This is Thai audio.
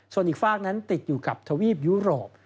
ส่วนอีกฝากนั้นติดอยู่กับทวีปยุโรป